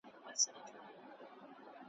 خپلو هغو افغانانو ته د هدایت دعا کوم `